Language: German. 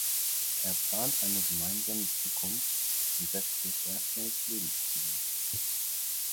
Er plant eine gemeinsame Zukunft und setzt sich erstmals Lebensziele.